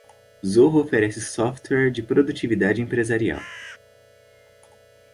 Zoho oferece software de produtividade empresarial.